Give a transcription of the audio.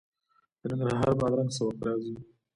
د ننګرهار بادرنګ څه وخت راځي؟